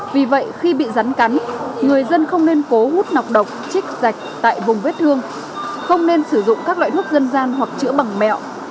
vì vậy khi bị rắn cắn người dân không nên cố hút nọc độc chích dạch tại vùng vết thương không nên sử dụng các loại thuốc dân gian hoặc chữa bằng mẹo